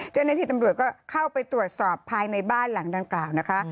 เจ้าหน้าที่ตำรวจก็เข้าไปตรวจสอบภายในบ้านหลังดังกล่าวนะคะ